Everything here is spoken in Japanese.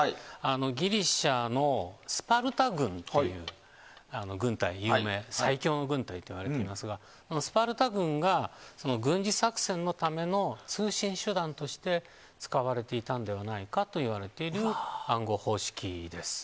ギリシャのスパルタ軍という有名な軍隊最強の軍隊といわれていますがスパルタ軍が軍事作戦のための通信手段として使われていたのではないかといわれている暗号方式です。